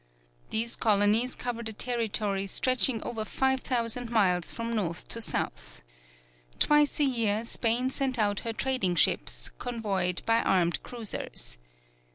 These colonies covered a territory stretching over five thousand miles from North to South. Twice a year Spain sent out her trading ships, convoyed by armed cruisers.